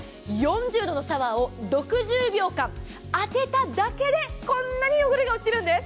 ４０度のシャワーを６０秒間当てただけでこんなに汚れが落ちるんです。